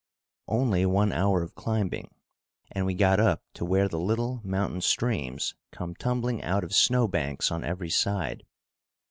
Only one hour of climbing and we got up to where the little mountain streams come tumbling out of snow banks on every side.